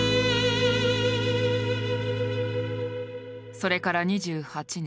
それから２８年。